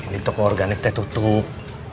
lintuk organiknya tutup